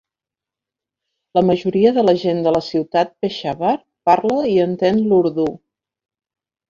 La majoria de la gent de la ciutat Peshawar parla i entén l'urdu.